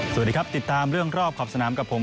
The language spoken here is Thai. สวัสดีครับติดตามเรื่องรอบขอบสนามกับผม